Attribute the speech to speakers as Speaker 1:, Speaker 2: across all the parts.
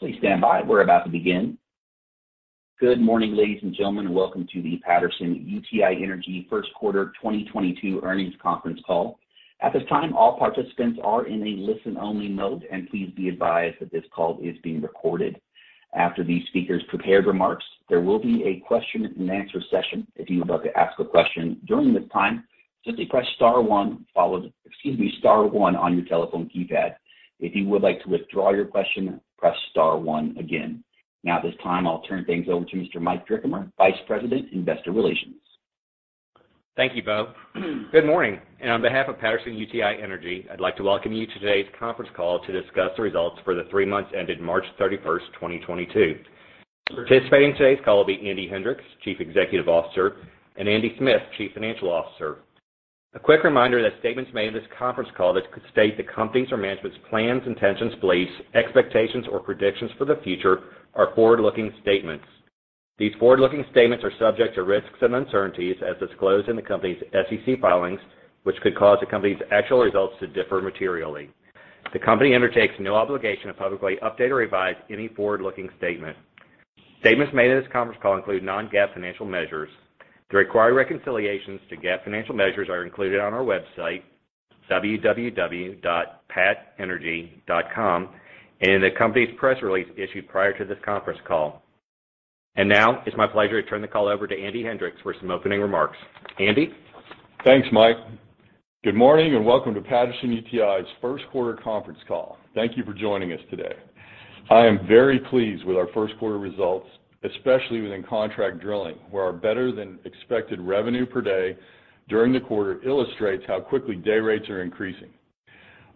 Speaker 1: Please stand by. We're about to begin. Good morning, ladies and gentlemen, and welcome to the Patterson-UTI Energy First Quarter 2022 Earnings Conference Call. At this time, all participants are in a listen-only mode, and please be advised that this call is being recorded. After the speakers' prepared remarks, there will be a question-and-answer session. If you would like to ask a question during this time, simply press star one on your telephone keypad. If you would like to withdraw your question, press star one again. Now, at this time, I'll turn things over to Mr. Mike Drickamer, Vice President, Investor Relations.
Speaker 2: Thank you, Bo. Good morning, and on behalf of Patterson-UTI Energy, I'd like to welcome you to today's conference call to discuss the results for the three months ended March 31, 2022. Participating in today's call will be Andy Hendricks, Chief Executive Officer, and Andrew Smith, Chief Financial Officer. A quick reminder that statements made in this conference call that could state the company's or management's plans, intentions, beliefs, expectations or predictions for the future are forward-looking statements. These forward-looking statements are subject to risks and uncertainties as disclosed in the company's SEC filings, which could cause the company's actual results to differ materially. The company undertakes no obligation to publicly update or revise any forward-looking statement. Statements made in this conference call include non-GAAP financial measures. The required reconciliations to GAAP financial measures are included on our website, www.patenergy.com, and in the company's press release issued prior to this conference call. Now, it's my pleasure to turn the call over to Andy Hendricks for some opening remarks. Andy?
Speaker 3: Thanks, Mike. Good morning, and welcome to Patterson-UTI's First Quarter Conference Call. Thank you for joining us today. I am very pleased with our first quarter results, especially within contract drilling, where our better-than-expected revenue per day during the quarter illustrates how quickly day rates are increasing.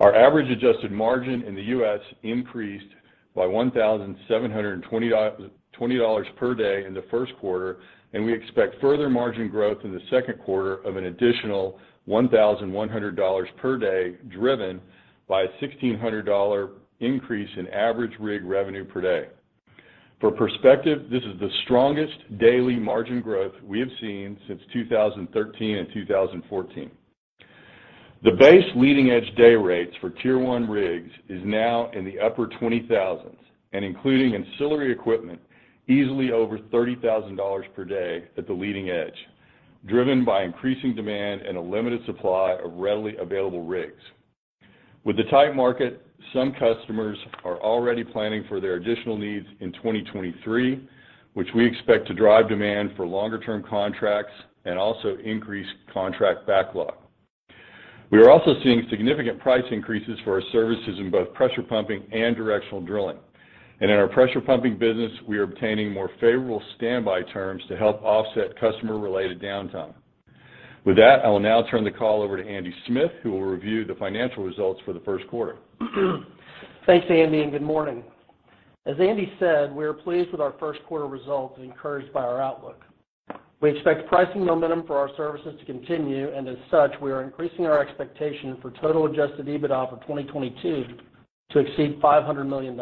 Speaker 3: Our average adjusted margin in the US increased by $1,720 per day in the first quarter, and we expect further margin growth in the second quarter of an additional $1,100 per day, driven by a $1,600 increase in average rig revenue per day. For perspective, this is the strongest daily margin growth we have seen since 2013 and 2014. The base leading edge day rates for Tier 1 rigs is now in the upper $20,000s, and including ancillary equipment, easily over $30,000 per day at the leading edge, driven by increasing demand and a limited supply of readily available rigs. With the tight market, some customers are already planning for their additional needs in 2023, which we expect to drive demand for longer term contracts and also increase contract backlog. We are also seeing significant price increases for our services in both pressure pumping and directional drilling. In our pressure pumping business, we are obtaining more favorable standby terms to help offset customer-related downtime. With that, I will now turn the call over to Andrew Smith, who will review the financial results for the first quarter.
Speaker 4: Thanks, Andy, and good morning. As Andy said, we are pleased with our first quarter results and encouraged by our outlook. We expect pricing momentum for our services to continue, and as such, we are increasing our expectation for total adjusted EBITDA for 2022 to exceed $500 million.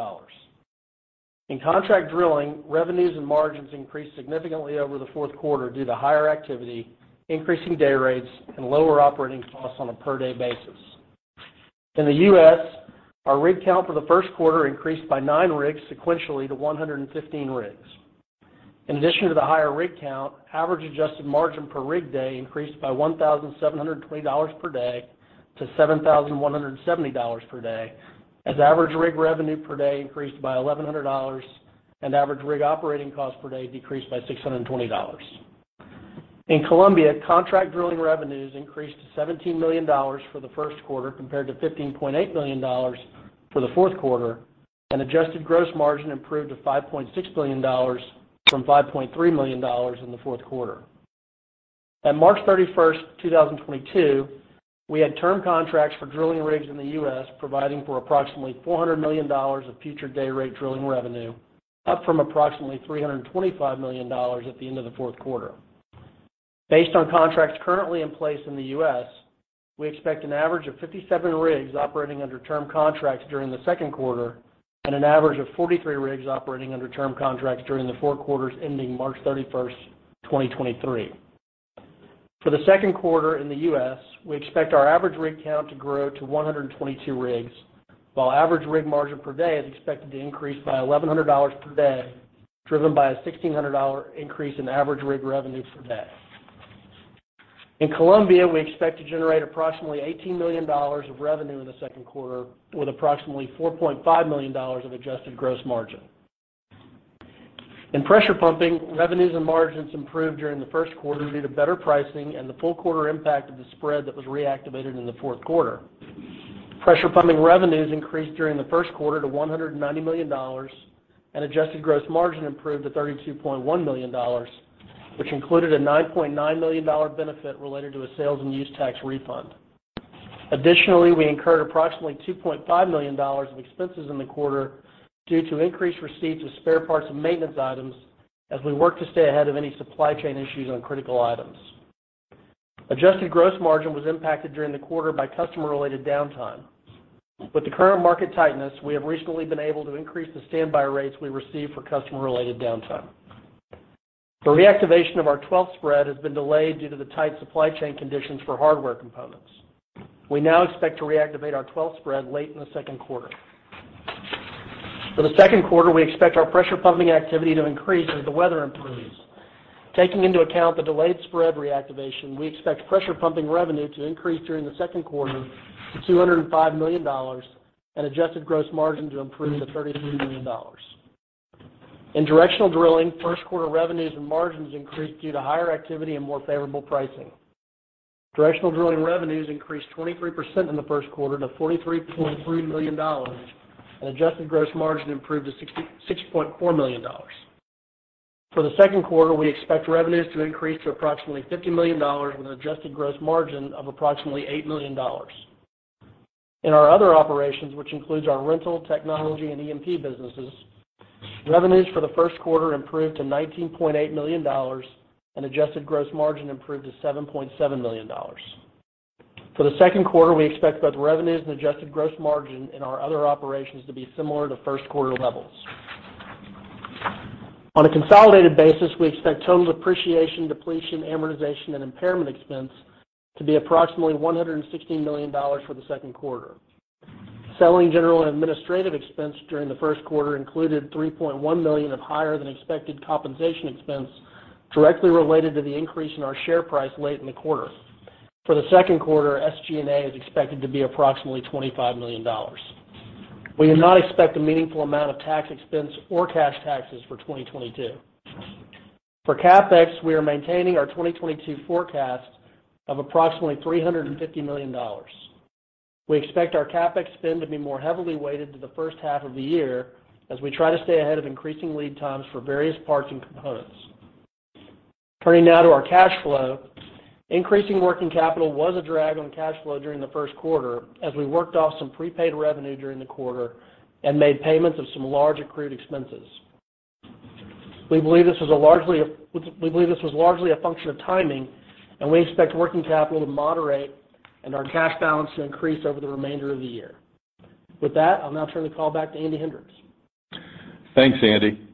Speaker 4: In contract drilling, revenues and margins increased significantly over the fourth quarter due to higher activity, increasing day rates, and lower operating costs on a per-day basis. In the U.S., our rig count for the first quarter increased by 9 rigs sequentially to 115 rigs. In addition to the higher rig count, average adjusted margin per rig day increased by $1,720 per day to $7,170 per day as average rig revenue per day increased by $1,100 and average rig operating cost per day decreased by $620. In Colombia, contract drilling revenues increased to $17 million for the first quarter compared to $15.8 million for the fourth quarter, and adjusted gross margin improved to $5.6 million from $5.3 million in the fourth quarter. At March 31, 2022, we had term contracts for drilling rigs in the U.S., providing for approximately $400 million of future day rate drilling revenue, up from approximately $325 million at the end of the fourth quarter. Based on contracts currently in place in the U.S., we expect an average of 57 rigs operating under term contracts during the second quarter and an average of 43 rigs operating under term contracts during the four quarters ending March 31, 2023. For the second quarter in the U.S., we expect our average rig count to grow to 122 rigs, while average rig margin per day is expected to increase by $1,100 per day, driven by a $1,600 increase in average rig revenue per day. In Colombia, we expect to generate approximately $18 million of revenue in the second quarter, with approximately $4.5 million of adjusted gross margin. In pressure pumping, revenues and margins improved during the first quarter due to better pricing and the full quarter impact of the spread that was reactivated in the fourth quarter. Pressure pumping revenues increased during the first quarter to $190 million, and adjusted gross margin improved to $32.1 million, which included a $9.9 million benefit related to a sales and use tax refund. Additionally, we incurred approximately $2.5 million of expenses in the quarter due to increased receipts of spare parts and maintenance items as we work to stay ahead of any supply chain issues on critical items. Adjusted gross margin was impacted during the quarter by customer-related downtime. With the current market tightness, we have recently been able to increase the standby rates we receive for customer-related downtime. The reactivation of our 12th spread has been delayed due to the tight supply chain conditions for hardware components. We now expect to reactivate our 12th spread late in the second quarter. For the second quarter, we expect our pressure pumping activity to increase as the weather improves. Taking into account the delayed spread reactivation, we expect pressure pumping revenue to increase during the second quarter to $205 million and adjusted gross margin to improve to $33 million. In directional drilling, first quarter revenues and margins increased due to higher activity and more favorable pricing. Directional drilling revenues increased 23% in the first quarter to $43.3 million and adjusted gross margin improved to $6.4 million. For the second quarter, we expect revenues to increase to approximately $50 million with an adjusted gross margin of approximately $8 million. In our other operations, which includes our rental, technology, and E&P businesses, revenues for the first quarter improved to $19.8 million and adjusted gross margin improved to $7.7 million. For the second quarter, we expect both revenues and adjusted gross margin in our other operations to be similar to first quarter levels. On a consolidated basis, we expect total depreciation, depletion, amortization and impairment expense to be approximately $116 million for the second quarter. Selling, general and administrative expense during the first quarter included $3.1 million of higher than expected compensation expense directly related to the increase in our share price late in the quarter. For the second quarter, SG&A is expected to be approximately $25 million. We do not expect a meaningful amount of tax expense or cash taxes for 2022. For CapEx, we are maintaining our 2022 forecast of approximately $350 million. We expect our CapEx spend to be more heavily weighted to the first half of the year as we try to stay ahead of increasing lead times for various parts and components. Turning now to our cash flow. Increasing working capital was a drag on cash flow during the first quarter as we worked off some prepaid revenue during the quarter and made payments of some large accrued expenses. We believe this was largely a function of timing, and we expect working capital to moderate and our cash balance to increase over the remainder of the year. With that, I'll now turn the call back to Andy Hendricks.
Speaker 3: Thanks, Andy.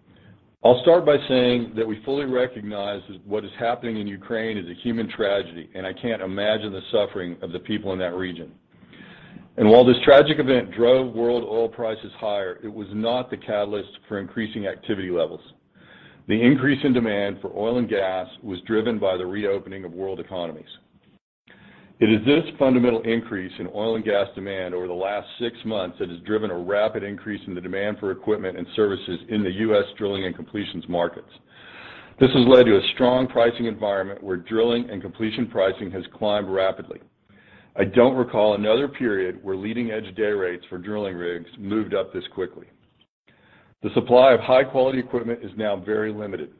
Speaker 3: I'll start by saying that we fully recognize that what is happening in Ukraine is a human tragedy, and I can't imagine the suffering of the people in that region. While this tragic event drove world oil prices higher, it was not the catalyst for increasing activity levels. The increase in demand for oil and gas was driven by the reopening of world economies. It is this fundamental increase in oil and gas demand over the last six months that has driven a rapid increase in the demand for equipment and services in the U.S. drilling and completions markets. This has led to a strong pricing environment where drilling and completion pricing has climbed rapidly. I don't recall another period where leading edge day rates for drilling rigs moved up this quickly. The supply of high-quality equipment is now very limited,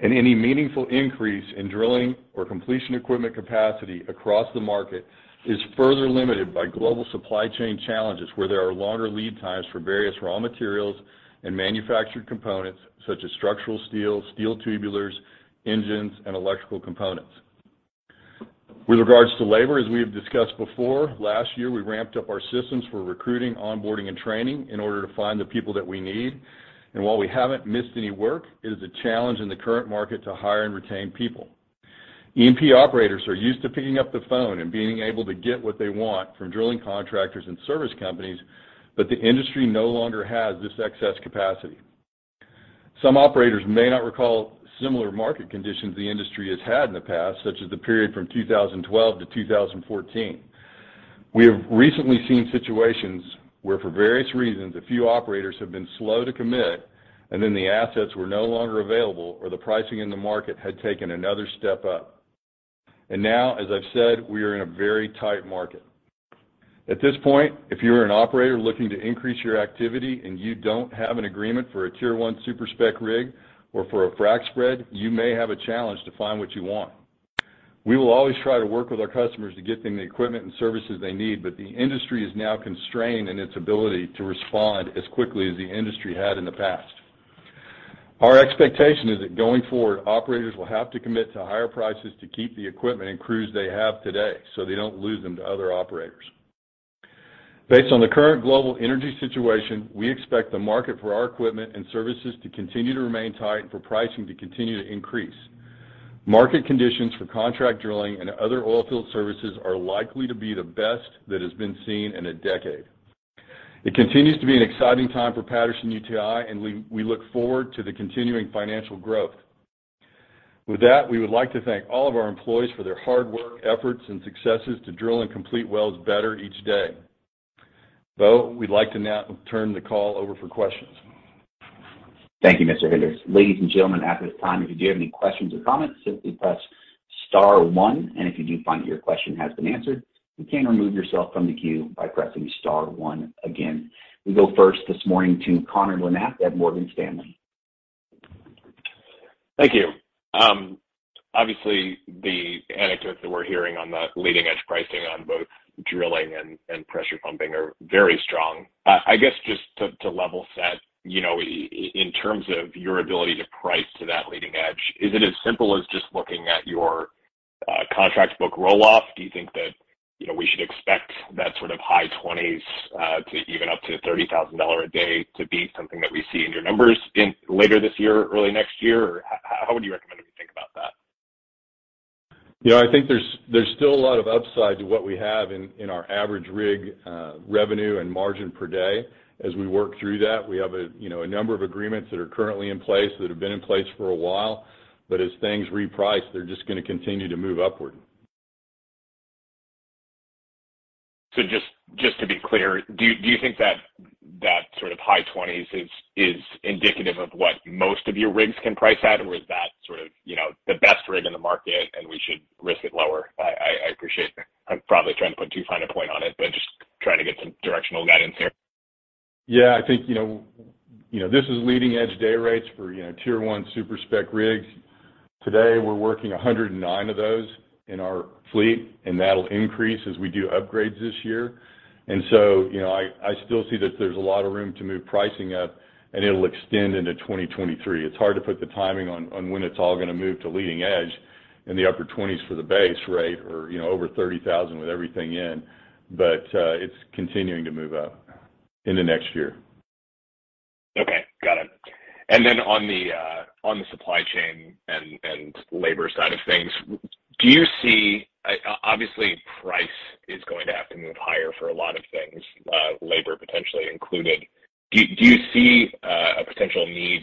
Speaker 3: and any meaningful increase in drilling or completion equipment capacity across the market is further limited by global supply chain challenges where there are longer lead times for various raw materials and manufactured components such as structural steel tubulars, engines, and electrical components. With regards to labor, as we have discussed before, last year, we ramped up our systems for recruiting, onboarding, and training in order to find the people that we need. While we haven't missed any work, it is a challenge in the current market to hire and retain people. E&P operators are used to picking up the phone and being able to get what they want from drilling contractors and service companies, but the industry no longer has this excess capacity. Some operators may not recall similar market conditions the industry has had in the past, such as the period from 2012 to 2014. We have recently seen situations where, for various reasons, a few operators have been slow to commit, and then the assets were no longer available or the pricing in the market had taken another step up. Now, as I've said, we are in a very tight market. At this point, if you're an operator looking to increase your activity and you don't have an agreement for a Tier 1 super-spec rig or for a frac spread, you may have a challenge to find what you want. We will always try to work with our customers to get them the equipment and services they need, but the industry is now constrained in its ability to respond as quickly as the industry had in the past. Our expectation is that going forward, operators will have to commit to higher prices to keep the equipment and crews they have today, so they don't lose them to other operators. Based on the current global energy situation, we expect the market for our equipment and services to continue to remain tight and for pricing to continue to increase. Market conditions for contract drilling and other oilfield services are likely to be the best that has been seen in a decade. It continues to be an exciting time for Patterson-UTI, and we look forward to the continuing financial growth. With that, we would like to thank all of our employees for their hard work, efforts and successes to drill and complete wells better each day. Bo, we'd like to now turn the call over for questions.
Speaker 1: Thank you, Mr. Hendricks. Ladies and gentlemen, at this time, if you do have any questions or comments, simply press star one. If you do find that your question has been answered, you can remove yourself from the queue by pressing star one again. We go first this morning to Connor Lynagh at Morgan Stanley.
Speaker 5: Thank you. Obviously, the anecdotes that we're hearing on the leading edge pricing on both drilling and pressure pumping are very strong. I guess, just to level set, you know, in terms of your ability to price to that leading edge, is it as simple as just looking at your contract book roll-off. Do you think that, you know, we should expect that sort of high 20s to even up to $30,000 a day to be something that we see in your numbers in later this year, early next year? How would you recommend we think about that?
Speaker 3: You know, I think there's still a lot of upside to what we have in our average rig revenue and margin per day. As we work through that, we have, you know, a number of agreements that are currently in place that have been in place for a while. As things reprice, they're just gonna continue to move upward.
Speaker 5: Just to be clear, do you think that sort of high 20s is indicative of what most of your rigs can price at? Or is that sort of, you know, the best rig in the market and we should risk it lower? I appreciate. I'm probably trying to put too fine a point on it, but just trying to get some directional guidance here.
Speaker 3: Yeah, I think, you know, this is leading-edge day rates for, you know, Tier 1 super-spec rigs. Today, we're working 109 of those in our fleet, and that'll increase as we do upgrades this year. You know, I still see that there's a lot of room to move pricing up, and it'll extend into 2023. It's hard to put the timing on when it's all gonna move to leading edge in the upper 20s for the base rate or, you know, over $30,000 with everything in. It's continuing to move up in the next year.
Speaker 5: Okay. Got it. On the supply chain and labor side of things, do you see, obviously, price is going to have to move higher for a lot of things, labor potentially included. Do you see a potential need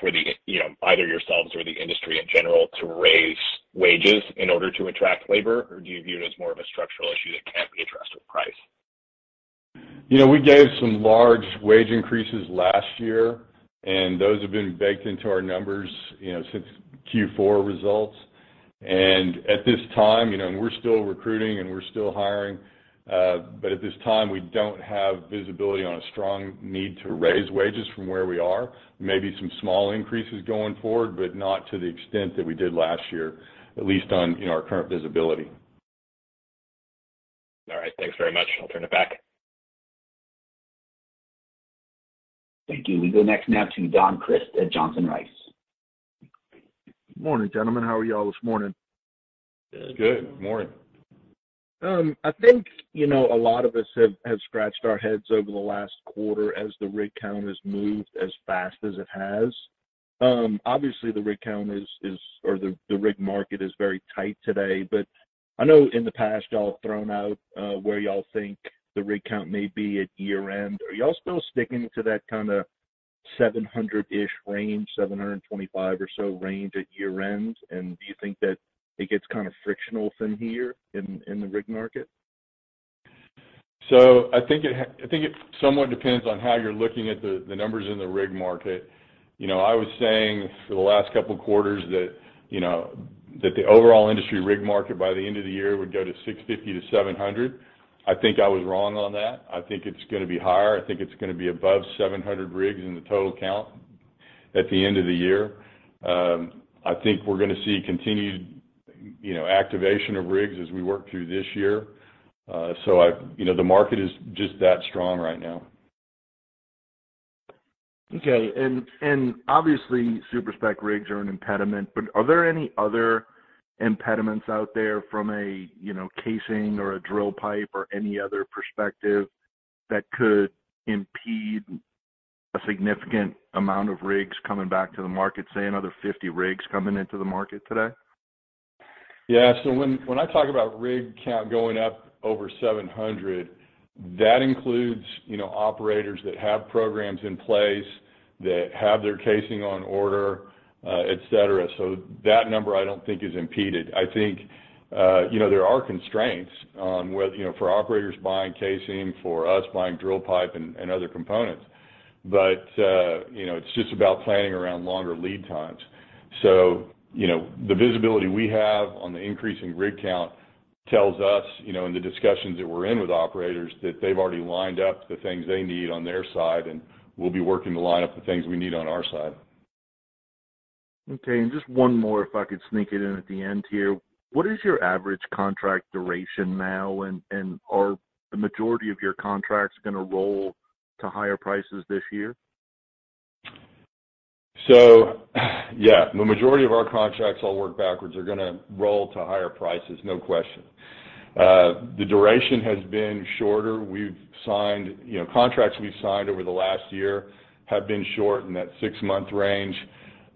Speaker 5: for the, you know, either yourselves or the industry in general to raise wages in order to attract labor? Or do you view it as more of a structural issue that can't be addressed with price?
Speaker 3: You know, we gave some large wage increases last year, and those have been baked into our numbers, you know, since Q4 results. At this time, you know, we're still recruiting, and we're still hiring, but at this time, we don't have visibility on a strong need to raise wages from where we are. Maybe some small increases going forward, but not to the extent that we did last year, at least on, you know, our current visibility.
Speaker 5: All right. Thanks very much. I'll turn it back.
Speaker 1: Thank you. We go next now to Don Crist at Johnson Rice.
Speaker 6: Morning, gentlemen. How are y'all this morning?
Speaker 3: Good morning.
Speaker 6: I think, you know, a lot of us have scratched our heads over the last quarter as the rig count has moved as fast as it has. Obviously, the rig count or the rig market is very tight today. I know in the past, y'all thrown out, where y'all think the rig count may be at year-end. Are y'all still sticking to that kinda 700-ish range, 725 or so range at year-end? Do you think that it gets kind of frictional from here in the rig market?
Speaker 3: I think it somewhat depends on how you're looking at the numbers in the rig market. You know, I was saying for the last couple quarters that, you know, that the overall industry rig market by the end of the year would go to 650-700. I think I was wrong on that. I think it's gonna be higher. I think it's gonna be above 700 rigs in the total count at the end of the year. I think we're gonna see continued, you know, activation of rigs as we work through this year. You know, the market is just that strong right now.
Speaker 6: Okay. Obviously, super-spec rigs are an impediment, but are there any other impediments out there from a, you know, casing or a drill pipe or any other perspective that could impede a significant amount of rigs coming back to the market, say, another 50 rigs coming into the market today?
Speaker 3: Yeah. When I talk about rig count going up over 700, that includes, you know, operators that have programs in place that have their casing on order, et cetera. That number I don't think is impeded. I think, you know, there are constraints on whether, you know, for operators buying casing, for us buying drill pipe and other components. You know, it's just about planning around longer lead times. You know, the visibility we have on the increasing rig count tells us, you know, in the discussions that we're in with operators, that they've already lined up the things they need on their side, and we'll be working to line up the things we need on our side.
Speaker 6: Okay. Just one more, if I could sneak it in at the end here. What is your average contract duration now? Are the majority of your contracts gonna roll to higher prices this year?
Speaker 3: The majority of our contracts, all workable, are gonna roll to higher prices. No question. The duration has been shorter. We've signed, you know, contracts over the last year have been short in that six-month range,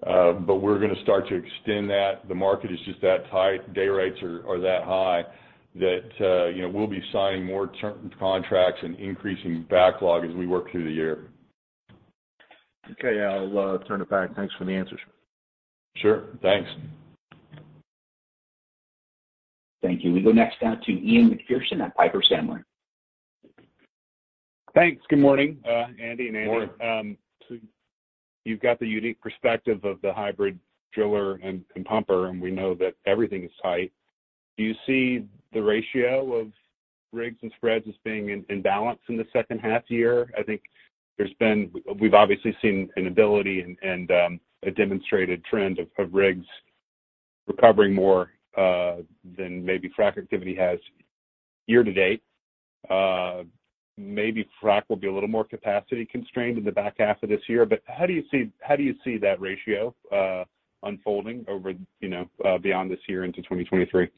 Speaker 3: but we're gonna start to extend that. The market is just that tight. Day rates are so high that, you know, we'll be signing more term contracts and increasing backlog as we work through the year.
Speaker 6: Okay. I'll turn it back. Thanks for the answers.
Speaker 3: Sure. Thanks.
Speaker 1: Thank you. We go next now to Ian Macpherson at Piper Sandler.
Speaker 7: Thanks. Good morning, Andy and Andrew.
Speaker 3: Morning.
Speaker 5: You've got the unique perspective of the hybrid driller and pumper, and we know that everything is tight. Do you see the ratio of rigs and spreads as being in balance in the second half year? I think we've obviously seen an ability and a demonstrated trend of rigs recovering more than maybe frac activity has.
Speaker 7: Year-to-date, maybe frac will be a little more capacity constrained in the back half of this year. How do you see that ratio unfolding over, you know, beyond this year into 2023?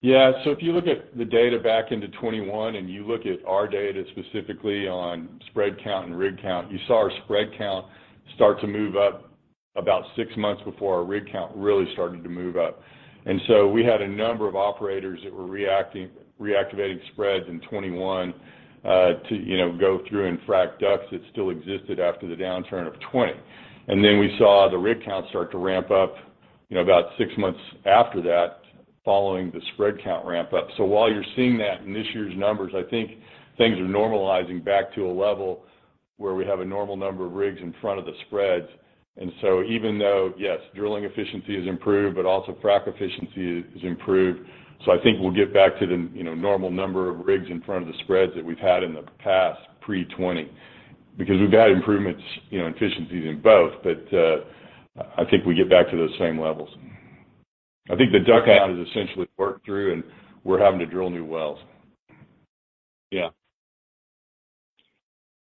Speaker 3: Yeah. If you look at the data back into 2021, and you look at our data specifically on spread count and rig count, you saw our spread count start to move up about 6 months before our rig count really started to move up. We had a number of operators that were reactivating spreads in 2021, you know, to go through and frac DUCs that still existed after the downturn of 2020. We saw the rig count start to ramp up, you know, about 6 months after that, following the spread count ramp up. While you're seeing that in this year's numbers, I think things are normalizing back to a level where we have a normal number of rigs in front of the spreads. Even though, yes, drilling efficiency has improved, but also frac efficiency has improved. I think we'll get back to the, you know, normal number of rigs in front of the spreads that we've had in the past pre-2020. Because we've had improvements, you know, in efficiencies in both, but I think we get back to those same levels. I think the DUC count is essentially worked through and we're having to drill new wells.
Speaker 7: Yeah.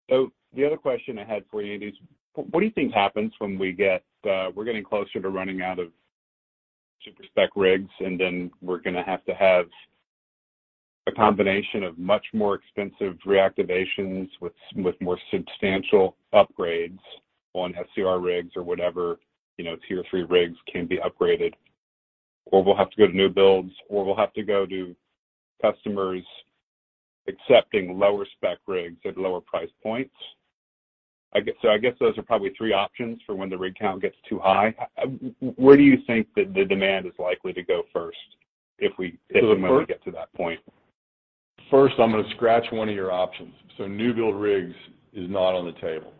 Speaker 7: The other question I had for you, Andy, is what do you think happens when we're getting closer to running out of super-spec rigs, and then we're gonna have to have a combination of much more expensive reactivations with more substantial upgrades on SCR rigs or whatever, you know, Tier 3 rigs can be upgraded, or we'll have to go to new builds, or we'll have to go to customers accepting lower spec rigs at lower price points. I guess those are probably three options for when the rig count gets too high. Where do you think that the demand is likely to go first if we-
Speaker 3: So the first-
Speaker 7: get to that point?
Speaker 3: First, I'm gonna scratch one of your options. New build rigs is not on the table.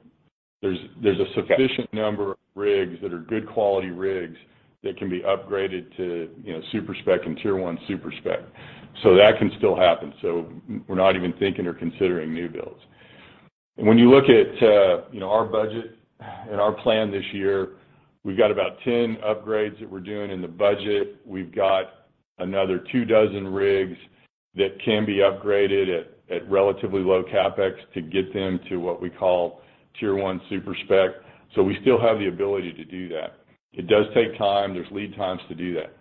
Speaker 7: Okay.
Speaker 3: There's a sufficient number of rigs that are good quality rigs that can be upgraded to, you know, super-spec and Tier 1 super-spec. That can still happen. We're not even thinking or considering new builds. When you look at, you know, our budget and our plan this year, we've got about 10 upgrades that we're doing in the budget. We've got another 24 rigs that can be upgraded at relatively low CapEx to get them to what we call Tier 1 super-spec. We still have the ability to do that. It does take time. There's lead times to do that.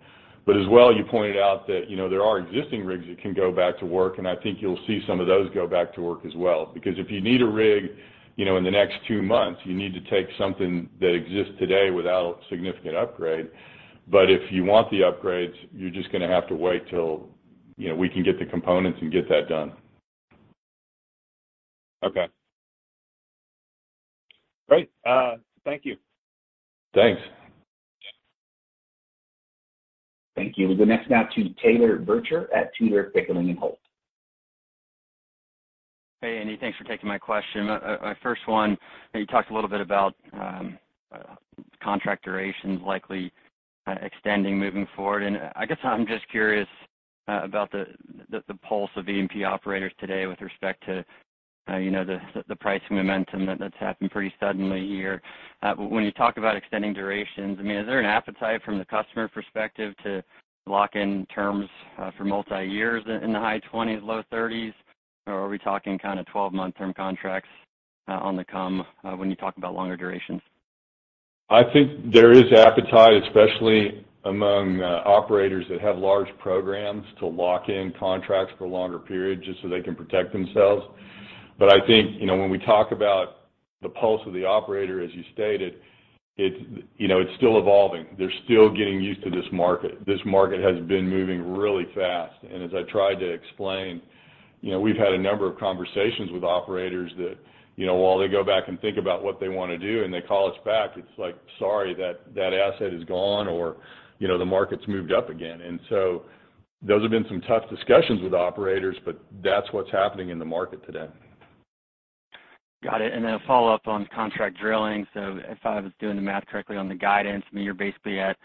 Speaker 3: As well, you pointed out that, you know, there are existing rigs that can go back to work, and I think you'll see some of those go back to work as well. Because if you need a rig, you know, in the next two months, you need to take something that exists today without significant upgrade. If you want the upgrades, you're just gonna have to wait till, you know, we can get the components and get that done.
Speaker 7: Okay. Great. Thank you.
Speaker 3: Thanks.
Speaker 1: Thank you. The next, now to Taylor Zurcher at Tudor, Pickering, Holt & Co.
Speaker 8: Hey, Andy, thanks for taking my question. My first one, you talked a little bit about contract durations likely extending moving forward. I guess I'm just curious about the pulse of E&P operators today with respect to you know the pricing momentum that's happened pretty suddenly here. But when you talk about extending durations, I mean, is there an appetite from the customer perspective to lock in terms for multi-years in the high 20s, low 30s? Or are we talking kind of 12-month term contracts on the come when you talk about longer durations?
Speaker 3: I think there is appetite, especially among operators that have large programs to lock in contracts for longer periods just so they can protect themselves. I think, you know, when we talk about the pulse of the operator, as you stated, it's, you know, it's still evolving. They're still getting used to this market. This market has been moving really fast. As I tried to explain, you know, we've had a number of conversations with operators that, you know, while they go back and think about what they wanna do and they call us back, it's like, "Sorry, that asset is gone," or, you know, "The market's moved up again." Those have been some tough discussions with operators, but that's what's happening in the market today.
Speaker 8: Got it. Then a follow-up on contract drilling. If I was doing the math correctly on the guidance, I mean, you're basically at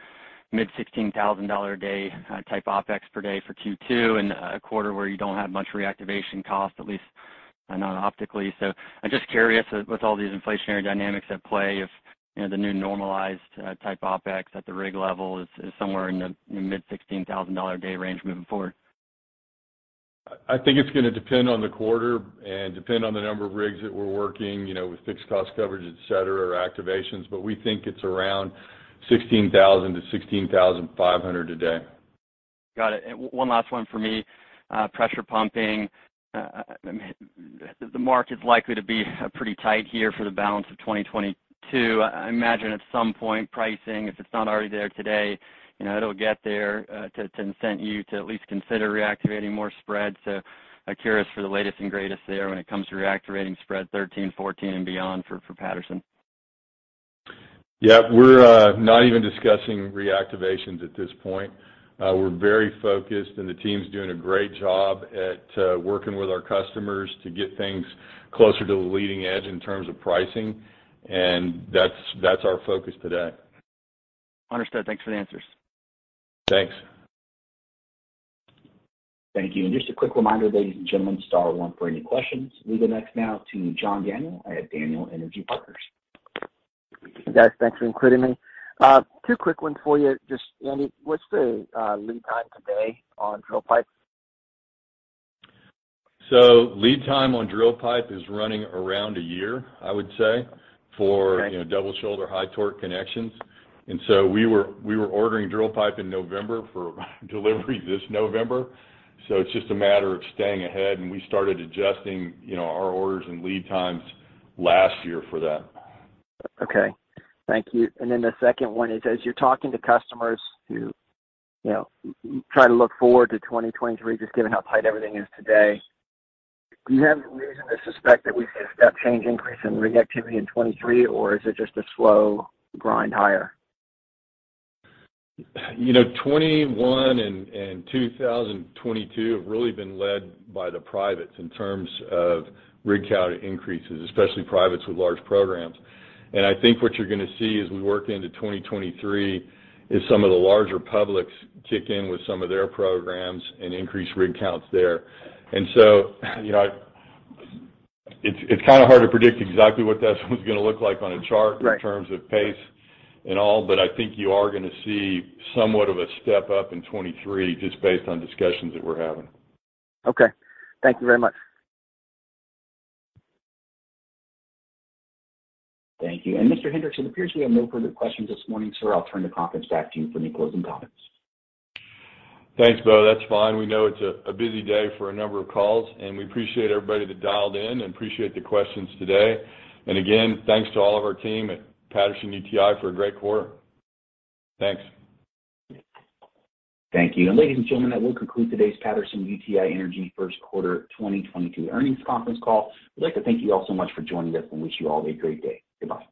Speaker 8: mid-$16,000 a day type OpEx per day for Q2, in a quarter where you don't have much reactivation cost, at least I know optically. I'm just curious with all these inflationary dynamics at play, if, you know, the new normalized type OpEx at the rig level is somewhere in the mid-$16,000 day range moving forward.
Speaker 3: I think it's gonna depend on the quarter and depend on the number of rigs that we're working, you know, with fixed cost coverage, et cetera, or activations. We think it's around $16,000-$16,500 a day.
Speaker 8: Got it. One last one for me. Pressure pumping. I mean, the market's likely to be pretty tight here for the balance of 2022. I imagine at some point, pricing, if it's not already there today, you know, it'll get there to incent you to at least consider reactivating more spreads. I'm curious for the latest and greatest there when it comes to reactivating spread 13, 14 and beyond for Patterson.
Speaker 3: Yeah. We're not even discussing reactivations at this point. We're very focused, and the team's doing a great job at working with our customers to get things closer to the leading edge in terms of pricing. That's our focus today.
Speaker 8: Understood. Thanks for the answers.
Speaker 3: Thanks.
Speaker 1: Thank you. Just a quick reminder, ladies and gentlemen, star one for any questions. We go next now to John Daniel at Daniel Energy Partners.
Speaker 9: Hey, guys. Thanks for including me. Two quick ones for you. Just, Andy, what's the lead time today on drill pipe?
Speaker 3: Lead time on drill pipe is running around a year, I would say.
Speaker 9: Okay
Speaker 3: You know, double shoulder, high-torque connections. We were ordering drill pipe in November for delivery this November. It's just a matter of staying ahead, and we started adjusting, you know, our orders and lead times last year for that.
Speaker 9: Okay. Thank you. The second one is, as you're talking to customers who, you know, try to look forward to 2023 just given how tight everything is today, do you have reason to suspect that we could see a step change increase in rig activity in 2023 or is it just a slow grind higher?
Speaker 3: You know, 2021 and 2022 have really been led by the privates in terms of rig count increases, especially privates with large programs. I think what you're gonna see as we work into 2023 is some of the larger publics kick in with some of their programs and increase rig counts there. You know, it's kind of hard to predict exactly what that's gonna look like on a chart.
Speaker 9: Right
Speaker 3: In terms of pace and all, but I think you are gonna see somewhat of a step up in 2023 just based on discussions that we're having.
Speaker 9: Okay. Thank you very much.
Speaker 1: Thank you. Mr. Hendricks, it appears we have no further questions this morning, sir. I'll turn the conference back to you for any closing comments.
Speaker 3: Thanks, Bo. That's fine. We know it's a busy day for a number of calls, and we appreciate everybody that dialed in and appreciate the questions today. Again, thanks to all of our team at Patterson-UTI for a great quarter. Thanks.
Speaker 1: Thank you. Ladies and gentlemen, that will conclude today's Patterson-UTI Energy First Quarter 2022 Earnings Conference Call. We'd like to thank you all so much for joining us and wish you all a great day. Goodbye.